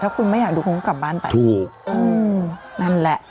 ถ้าคุณไม่อยากดูคุณก็กลับบ้านไปถูกอืมนั่นแหละ